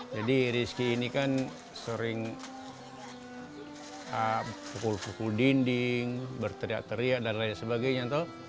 jadi rezeki ini kan sering pukul pukul dinding berteriak teriak dan lain sebagainya